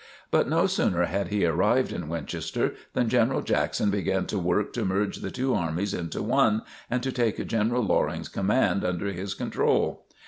But no sooner had he arrived in Winchester, than General Jackson began to work to merge the two armies into one and to take General Loring's command under his control.